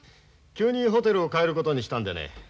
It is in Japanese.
急にホテルを替えることにしたんでね